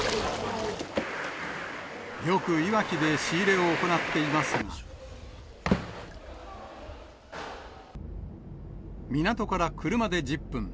よく、いわきで仕入れを行っていますが、港から車で１０分。